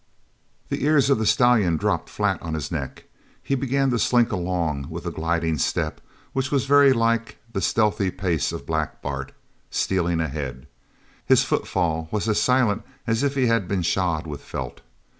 The ears of the stallion dropped flat on his neck. He began to slink along with a gliding step which was very like the stealthy pace of Black Bart, stealing ahead. His footfall was as silent as if he had been shod with felt.